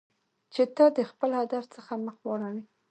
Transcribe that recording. چې ته د خپل هدف څخه مخ واړوی.